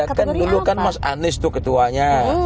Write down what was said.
iya kan dulu mas anies itu ketuanya